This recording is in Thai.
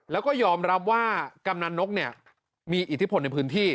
แล้วก็ยอมรับว่ากำนันนกมีอิทธิพลในพื้นที่